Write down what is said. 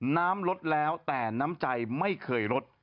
น้ำลดแล้วแต่น้ำใจไม่เคยลด